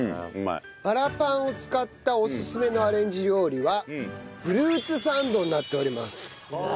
バラパンを使ったおすすめのアレンジ料理はフルーツサンドになっております。